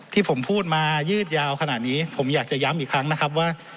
ที่ผมพูดมายืดยาวขนาดนี้ผมอยากจะย้ำอีกครั้งนะครับว่า